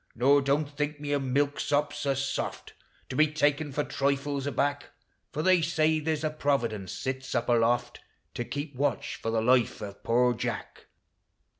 nor don't think me ;i milksop so soft To be taken tor trifles aback ; For the\ say there's a Providence sits ap aloft, I'., keep w at eh for the life of i»<x»i Jack!